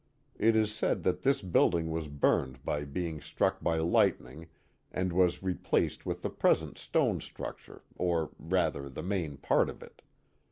It is said that this building was burned by being struck by lightning and was replaced with the present stone structure or, rather, the main part of it.